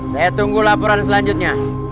saya tunggu laporan selanjutnya